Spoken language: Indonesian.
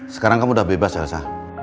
sekarang kamu sudah bebas elsa